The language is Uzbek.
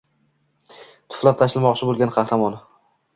tuflab tashlamoqchi boʼlsa qahramon